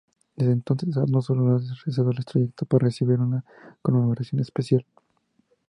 Desde entonces, Arnold sólo ha regresado al trayecto para recibir una conmemoración especial.